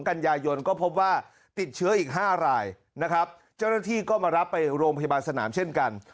กันยายนก็พบว่าติดเชื้ออีก๕รายนะครับเจ้าหน้าที่ก็มารับไปโรงพยาบาลสนามเช่นกัน